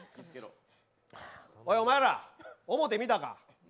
おい、お前ら、表見たか。